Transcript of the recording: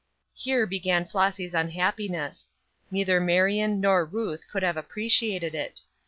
Here began Flossy's unhappiness. Neither Marion nor Ruth could have appreciated it.